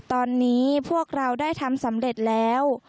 ตอนนี้พวกเราได้ทำสำเร็จแล้ว